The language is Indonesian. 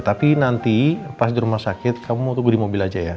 tapi nanti pas di rumah sakit kamu tunggu di mobil aja ya